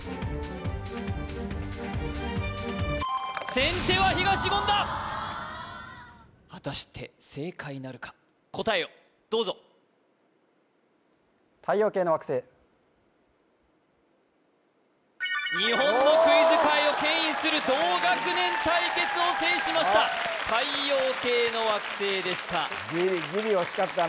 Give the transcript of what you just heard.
先手は東言だ果たして正解なるか答えをどうぞ日本のクイズ界をけん引する同学年対決を制しました太陽系の惑星でしたギリギリ押し勝ったね